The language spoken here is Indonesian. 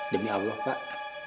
demi allah pak